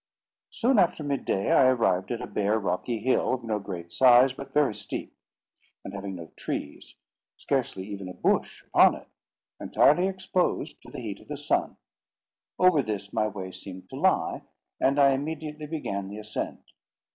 Soon after mid day I arrived at a bare rocky hill, of no great size, but very steep; and having no trees—scarcely even a bush—upon it, entirely exposed to the heat of the sun. Over this my way seemed to lie, and I immediately began the ascent.